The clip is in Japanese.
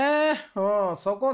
うんそこね。